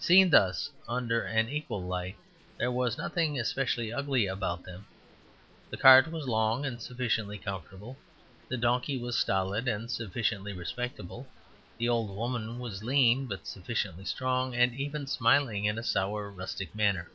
Seen thus under an equal light, there was nothing specially ugly about them; the cart was long and sufficiently comfortable; the donkey was stolid and sufficiently respectable; the old woman was lean but sufficiently strong, and even smiling in a sour, rustic manner.